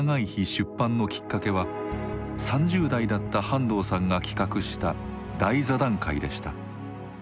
出版のきっかけは３０代だった半藤さんが企画した大座談会でした。